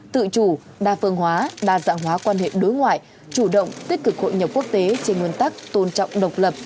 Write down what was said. tự chủ đa phương hóa đa dạng hóa quan hệ đối ngoại chủ động tích cực hội nhập quốc tế trên nguyên tắc tôn trọng độc lập